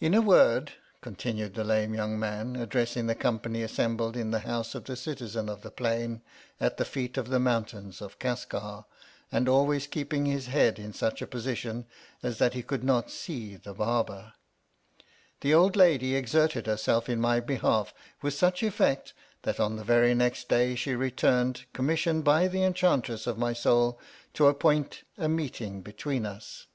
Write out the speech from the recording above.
In a word (continued the Lame young man, addressing the company assembled in the house of the citizen of the plain at the feet of the mountains of Casgar, and always keep ing his head in such a position as that he could not see the Barber), the old lady ex erted herself in my behalf with such effect, that on the very next day she returned, com missioned by the enchantress of my soul to appoint a meeting between us.